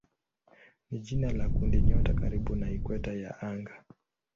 ni jina la kundinyota karibu na ikweta ya anga.